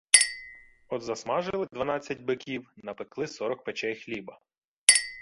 От засмажили дванадцять биків, напекли сорок печей хліба.